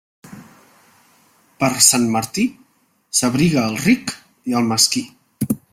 Per Sant Martí, s'abriga el ric i el mesquí.